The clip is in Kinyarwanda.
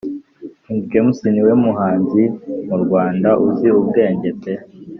King James niwe muhanzi mu Rwanda uzi ubwenge pe